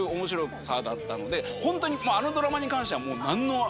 ホントにあのドラマに関しては。